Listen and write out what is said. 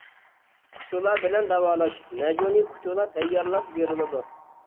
كۇچۇلا بىلەن داۋالاش: مەجۈنى كۇچۇلا تەييارلاپ بېرىلىدۇ.